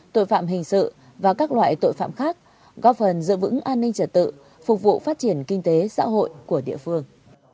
tội phạm hình sự và các loại tội phạm khác góp phần giữ vững an ninh trật tự phục vụ phát triển kinh tế xã hội của địa phương